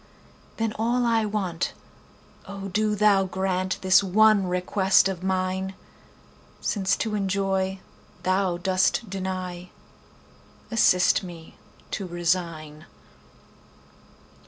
Then all I want—O do Thou grantThis one request of mine!—Since to enjoy Thou dost deny, Assist me to resign.